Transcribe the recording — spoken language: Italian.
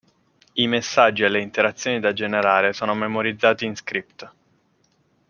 I messaggi e le interazioni da generare sono memorizzati in script.